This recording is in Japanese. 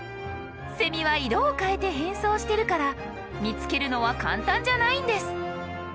セミは色を変えて変装してるから見つけるのは簡単じゃないんです。